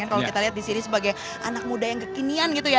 kalau kita lihat di sini sebagai anak muda yang kekinian gitu ya